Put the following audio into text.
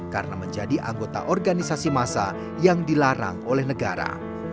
karena menjadi anggota organisasi massa yang dilarang oleh negara